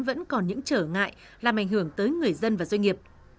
vẫn còn những trở ngại làm ảnh hưởng tới người dân và doanh nghiệp